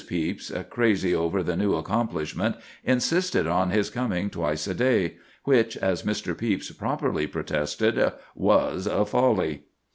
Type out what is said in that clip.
Pepys, crazy over the new accomplishment, insisted on his coming twice a day, which, as Mr. Pepys properly protested, was "a folly."